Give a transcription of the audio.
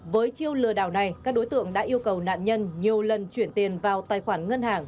với chiêu lừa đảo này các đối tượng đã yêu cầu nạn nhân nhiều lần chuyển tiền vào tài khoản ngân hàng